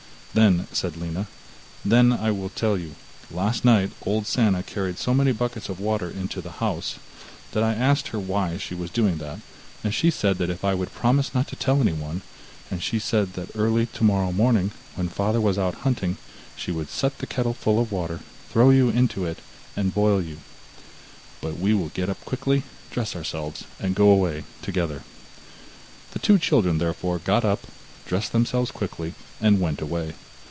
Then said Lina: 'Then will I tell you. Last night, old Sanna carried so many buckets of water into the house that I asked her why she was doing that, and she said that if I would promise not to tell anyone, and she said that early tomorrow morning when father was out hunting, she would set the kettle full of water, throw you into it and boil you; but we will get up quickly, dress ourselves, and go away together.' The two children therefore got up, dressed themselves quickly, and went away.